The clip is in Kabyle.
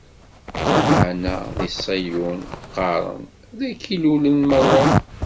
Lameɛna di Ṣiyun, qqaren: dagi i lulen merra.